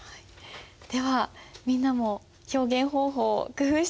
ではみんなも表現方法工夫してみましょう。